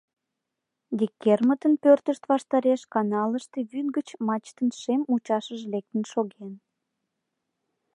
Деккермытын пӧртышт ваштареш каналыште вӱд гыч мачтын шем мучашыже лектын шоген.